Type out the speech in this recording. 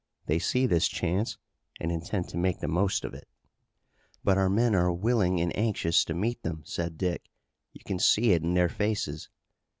They see this chance and intend to make the most of it." "But our men are willing and anxious to meet them," said Dick. "You can see it in their faces."